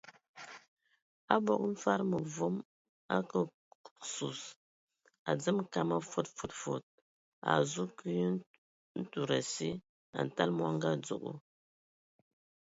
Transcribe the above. Abog mfad məvom a ake sus, a dzemə kam a fod fod fod, a a azu kwi ntud asi, a ntala mɔngɔ a dzogo.